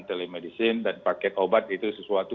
telemedicine dan paket obat itu sesuatu